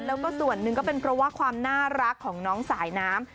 แล้วก็ส่วนหนึ่งก็เป็นเพราะว่าความน่ารักของน้องสายน้ำ